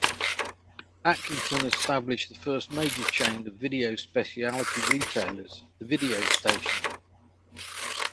Atkinson established the first major chain of video specialty retailers -- The Video Station.